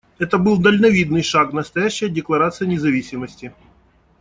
Это был дальновидный шаг, настоящая декларация независимости.